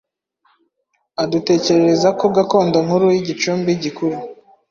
adutekerereza ko gakondo nkuru y’igicumbi gikuru